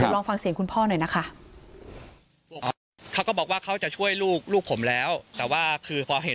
ลองฟังเสียงคุณพ่อหน่อยนะคะ